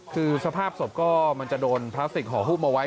คือสภาพศพก็มันจะโดนพลาสติกห่อหุ้มเอาไว้